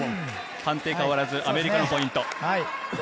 判定変わらず、アメリカのポイント。